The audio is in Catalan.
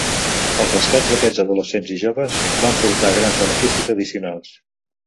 Els rescats d'aquests adolescents i joves van portar grans beneficis addicionals.